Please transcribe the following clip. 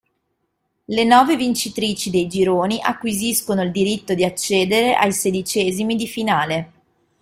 Le nove vincitrici dei gironi acquisiscono il diritto di accedere ai sedicesimi di finale.